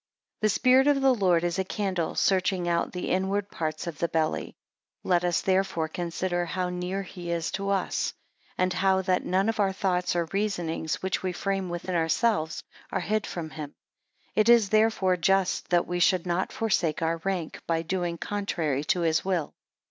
2 The spirit of the Lord is a candle, searching out the inward parts of the belly. 3 Let us therefore consider how near he is to us; and how that none of our thoughts, or reasonings which we frame within ourselves, are hid from him, 4 It is therefore just that we should not forsake our rank, by doing contrary to his will.